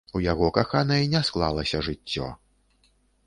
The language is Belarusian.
У яго каханай не склалася жыццё.